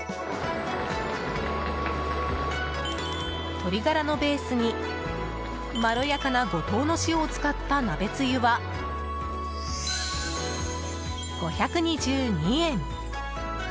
鶏ガラのベースにまろやかな五島の塩を使った鍋つゆは、５２２円。